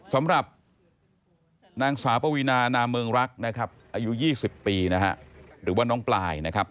สำหรับนางสาวปวินานามเมิงรักอายุ๒๐ปีหรือว่าน้องปลายนะครับ